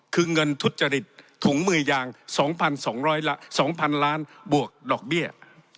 คือเงินทุษฎจริตถุงมือยางสองพันสองร้อยละสองพันล้านบวกดอกเบี้ย